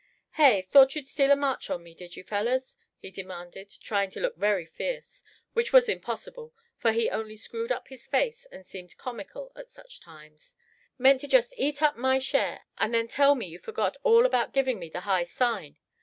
"Hey! thought'd you steal a march on me, didn't you, fellers?" he demanded, trying to look very fierce, which was impossible, for he only screwed up his face and seemed comical at such times; "meant to just eat up my share, and then tell me you forgot all about giving me the high sign.